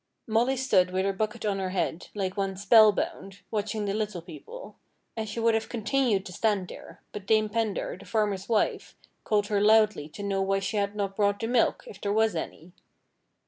Molly stood with her bucket on her head, like one spell bound, watching the Little People; and she would have continued to stand there, but Dame Pendar, the farmer's wife, called her loudly to know why she had not brought the milk, if there was any.